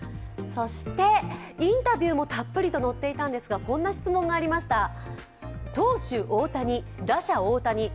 そして、インタビューもたっぷりと載っていたんですが、こんな質問がありました。